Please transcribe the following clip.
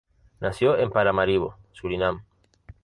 Nació en Paramaribo, Surinam.